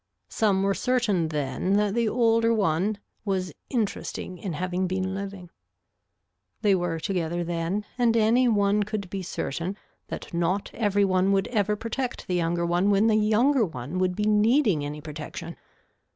Some were certain then that the older one was interesting in having been living. They were together then and any one could be certain that not every one would ever protect the younger one when the younger one would be needing any protection.